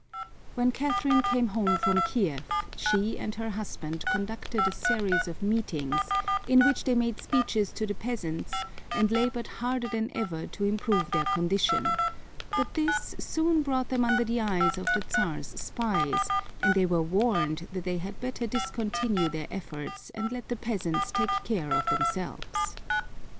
When Catherine came home from Kiev she and her husband conducted a series of meetings in which they made speeches to the peasants and labored harder than ever to improve their condition, but this soon brought them under the eye of the Czar's spies, and they were warned that they had better discontinue their efforts and let the peasants take care of themselves.